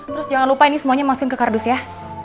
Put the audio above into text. terus jangan lupa ini semuanya masukin ke kardus ya